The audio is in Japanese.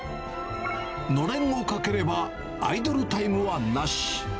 のれんをかければ、アイドルタイムはなし。